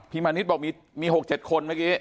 พี่มณิชย์บอกมี๖๗คนเมื่อกี้